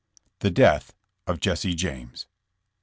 THE DEATH OF JESSE JAMES.